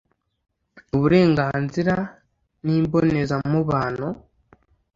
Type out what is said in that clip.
uburenganzira ni mbonezamubano.